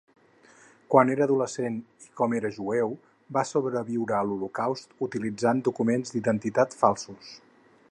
Quan era adolescent, i com era jueu, va sobreviure a l'Holocaust utilitzant documents d'identitat falsos.